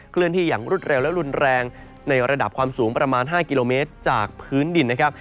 เลื่อนที่อย่างรวดเร็วและรุนแรงในระดับความสูงประมาณ๕กิโลเมตรจากพื้นดินนะครับ